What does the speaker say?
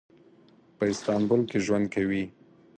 په استانبول کې ژوند کوي.